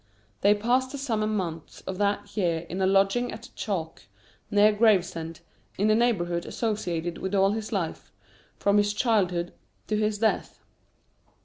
They passed the summer months of that year in a lodging at Chalk, near Gravesend, in the neighbourhood associated with all his life, from his childhood to his death.